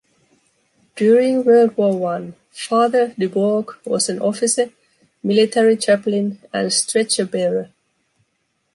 During Word War I, Father Dubourg was an officer, military chaplain and stretcher-bearer.